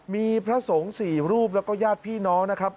มีพระสงฆ์๔รูปแล้วก็ญาติพี่น้องนะครับ